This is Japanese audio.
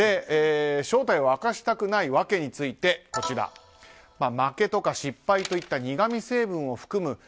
正体を明かしたくない訳について負けとか失敗といった苦み成分を含む